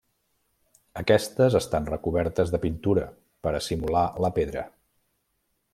Aquestes estan recobertes de pintura per a simular la pedra.